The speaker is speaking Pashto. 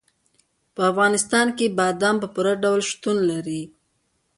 په افغانستان کې بادام په پوره ډول شتون لري.